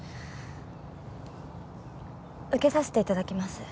受けさせていただきます。